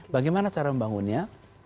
bagaimana cara membangunnya